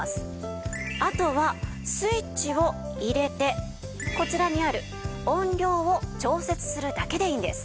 あとはスイッチを入れてこちらにある音量を調節するだけでいいんです。